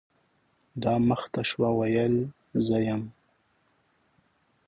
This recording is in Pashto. دا مخ ته شوه ، ویل زه یم .